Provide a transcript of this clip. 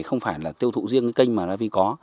không phải tiêu thụ riêng cái kênh mà ravi có